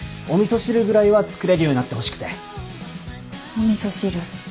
お味噌汁。